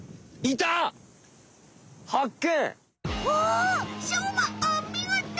おおしょうまおみごと！